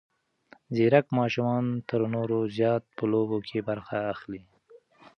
ځیرک ماشومان تر نورو زیات په لوبو کې برخه اخلي.